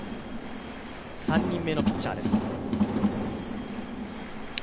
３人目のピッチャーです。